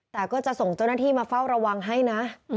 แต่ก็จะส่งเจ้าหน้าที่มาเฝ้าระวังให้นะ